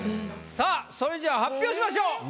さあそれじゃあ発表しましょう。